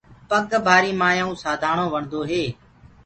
پگ ڀآري مآيآئوُنٚ سانڌآڻو وڻدو هي۔